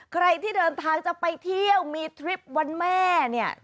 ใครที่เดินทางจะไปเที่ยวมีทริปวันแม่เนี่ย